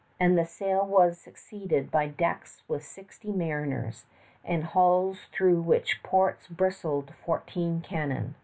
And the sail was succeeded by decks with sixty mariners, and hulls through whose ports bristled fourteen cannon.